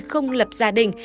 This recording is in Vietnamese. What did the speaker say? không lập gia đình